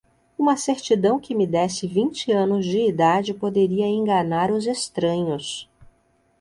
Uma certidão que me desse vinte anos de idade poderia enganar os estranhos